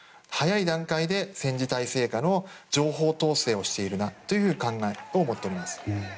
早い段階で戦時体制下の情報統制をしているなという考えを持っています。